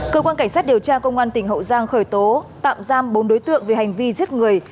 cơ quan cảnh sát điều tra công an tỉnh hậu giang khởi tố tạm giam bốn đối tượng về hành vi giết người